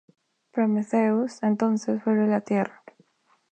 Prometheus entonces vuelve a la Tierra.